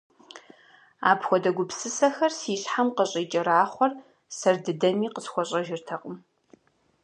Апхуэдэ гупсысэхэр си щхьэм къыщӀикӀэрахъуэр сэр дыдэми къысхуэщӏэжыртэкъым.